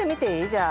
じゃあ。